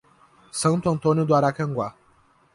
Santo Antônio do Aracanguá